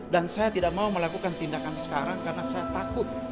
dan saya tidak mau melakukan tindakan sekarang karena saya takut